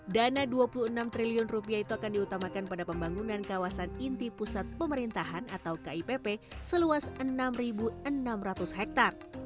dana dua puluh enam triliun itu akan diutamakan pada pembangunan kawasan inti pusat pemerintahan atau kipp seluas enam enam ratus hektare